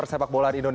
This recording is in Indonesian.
a sampai z